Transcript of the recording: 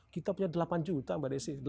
kita punya delapan juta mbak desi